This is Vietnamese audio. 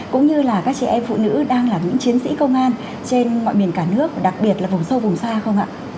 cũng như là các chị em phụ nữ đang là những chiến sĩ công an trên mọi miền cả nước và đặc biệt là vùng sâu vùng xa không ạ